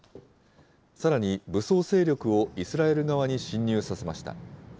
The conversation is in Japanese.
さらに、武装勢力をイスラエル側に侵入させました。